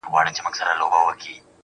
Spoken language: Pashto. لکه د کلي د واده ډولچي